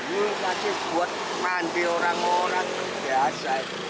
ini pasti buat mandi orang orang biasa